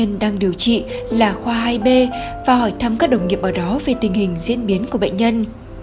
bệnh nhân đang điều trị là khoa hai b và hỏi thăm các đồng nghiệp ở đó về tình hình diễn biến của bệnh nhân